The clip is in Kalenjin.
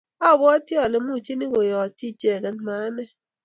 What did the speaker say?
abwati ale muchini keyotyi icheket ma ane